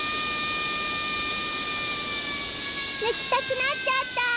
ぬきたくなっちゃった！